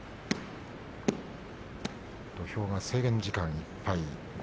土俵は制限時間いっぱい。